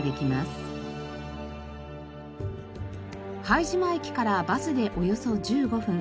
拝島駅からバスでおよそ１５分。